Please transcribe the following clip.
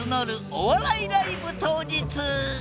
お笑いライブ当日。